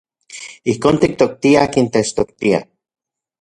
Ijkon tiktoktiaj akin techtoktia.